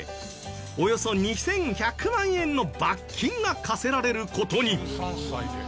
およそ２１００万円の罰金が科せられる事に。